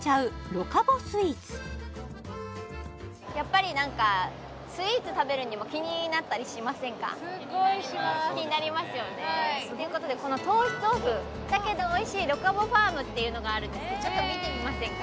ロカボスイーツやっぱり何かすっごいします気になりますということでこの糖質オフだけどおいしいロカボファームっていうのがあるんですがちょっと見てみませんか？